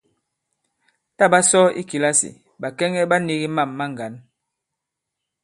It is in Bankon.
Tǎ ɓa sɔ i kìlasì, ɓàkɛŋɛ ɓa nīgī mâm ma ŋgǎn.